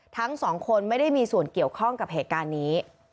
ทั้งสองคนไม่ได้มีส่วนเกี่ยวข้องกับเหตุการณ์นี้